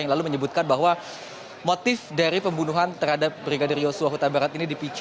yang lalu menyebutkan bahwa motif dari pembunuhan terhadap brigadir yosua huta barat ini dipicu